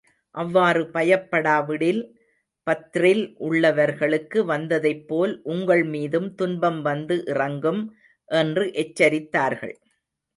அவ்வாறு பயப்படாவிடில், பத்ரில் உள்ளவர்களுக்கு வந்ததைப் போல் உங்கள் மீதும் துன்பம் வந்து இறங்கும் என்று எச்சரித்தார்கள்.